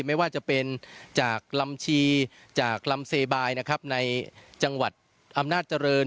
ไม่ว่าจะเป็นจากลำชีจากลำเซบายนะครับในจังหวัดอำนาจเจริญ